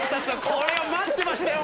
これを待ってましたよ